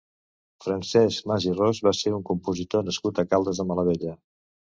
Francesc Mas i Ros va ser un compositor nascut a Caldes de Malavella.